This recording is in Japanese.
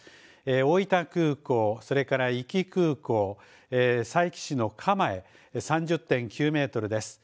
大分空港、それから壱岐空港、佐伯市の蒲江、３０．９メートルです。